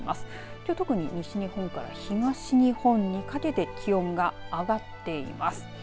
きょう特に西日本から東日本にかけて気温が上がっています。